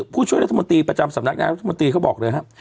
ผู้ช่วยรัฐมนตรีประจำสำนักงานรัฐมนตรีเขาบอกเลยครับ